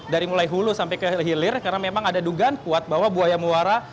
dari mulai hulu sampai ke hilir karena memang ada dugaan kuat bahwa buaya muara